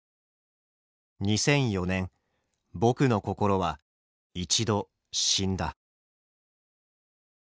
「２００４年僕の心は一度死んだ」。